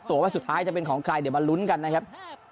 ว่าสุดท้ายจะเป็นของใครเดี๋ยวมาลุ้นกันนะครับ